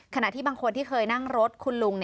ขณะที่บางคนที่เคยนั่งรถคุณลุง